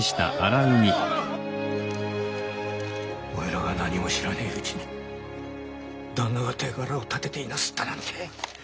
おいらが何も知らねえうちに旦那が手柄を立てていなすったなんて！